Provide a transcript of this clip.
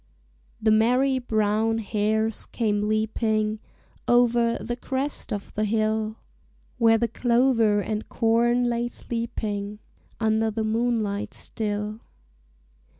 The merry brown hares came leaping Over, the crest of the hill, Where the clover and corn lay sleeping, Under the moonlight still.